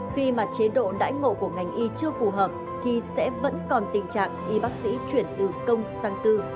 khi mà chế độ đãi ngộ của ngành y chưa phù hợp thì sẽ vẫn còn tình trạng y bác sĩ chuyển từ công sang tư